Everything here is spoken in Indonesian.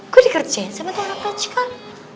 gue dikerjain sama tuan aktacikan